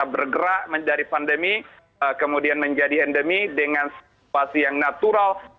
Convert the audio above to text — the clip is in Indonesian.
bergerak dari pandemi kemudian menjadi endemi dengan situasi yang natural